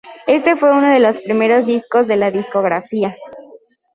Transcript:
Éste fue uno de los primeros discos de la discográfica.